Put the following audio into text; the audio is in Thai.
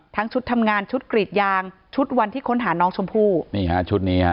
ทั้งชุดทำงานชุดกรีดยางชุดวันที่ค้นหาน้องชมพู่นี่ฮะชุดนี้ฮะ